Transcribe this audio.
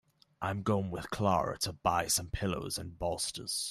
I'm going with Clara to buy some pillows and bolsters.